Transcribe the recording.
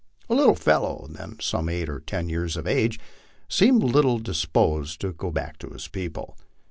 The little fellow, then some eight or ten years of age, seemed little disposed tc go back to his people.